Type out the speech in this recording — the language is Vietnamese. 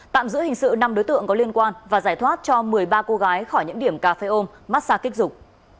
tạm giữ hình sự năm đối tượng có liên quan và giải thoát cho một mươi ba cô gái khỏi những điểm cà phê ôm massag kích dục